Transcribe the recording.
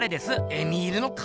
エミールの彼？